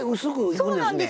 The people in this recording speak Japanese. そうなんです。